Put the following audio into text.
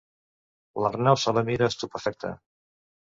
L'Arnau se la mira, estupefacte.